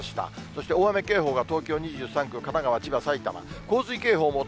そして大雨警報が東京２３区、神奈川、千葉、埼玉、洪水警報も